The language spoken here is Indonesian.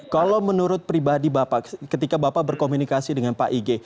kalau menurut pribadi bapak ketika bapak berkomunikasi dengan pak ig